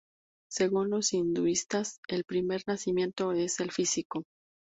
Según los hinduistas, el primer nacimiento es el físico.